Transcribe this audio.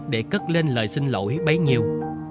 để cất lên lời xin lỗi bấy nhiêu